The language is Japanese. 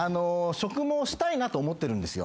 植毛したいなと思ってるんですよ。